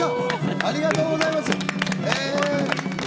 ありがとうございます。